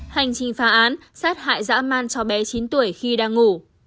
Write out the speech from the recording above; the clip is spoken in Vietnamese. hành trình phá án sát hại dã man cho bé chín tuổi khi đang ngủ